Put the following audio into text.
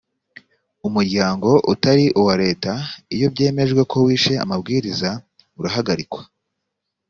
umuryango utari uwa leta iyo byemejwe ko wishe amabwiriza urahagarikwa